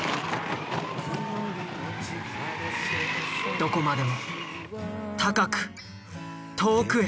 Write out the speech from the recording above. どこまでも高く遠くへ。